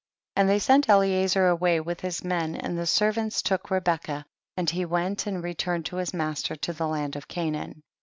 43. And they sent Eliezer away with his men ; and the servants took Rebecca, and he went and returned to his master to the land of Canaan.